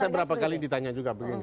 saya berapa kali ditanya juga beliau